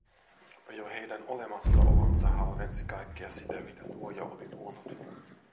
Jo heidän olemassa olonsa halvensi kaikkea sitä, mitä Luoja oli luonut.